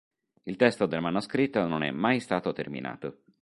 Il testo del manoscritto non è mai stato terminato.